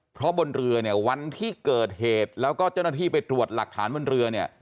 เพราะบนเรือเนี่ยวันที่เกิดเหตุแล้วก็เจ้าหน้าที่ไปตรวจหลักฐานบนเรือเนี่ย